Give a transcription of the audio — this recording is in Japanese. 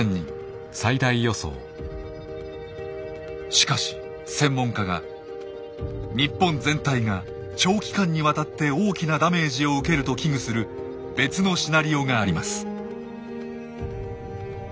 しかし専門家が日本全体が長期間にわたって大きなダメージを受けると危惧する別のシナリオがあります。